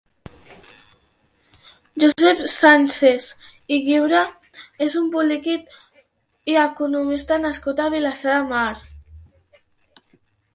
Josep Sánchez i Llibre és un polític i economista nascut a Vilassar de Mar.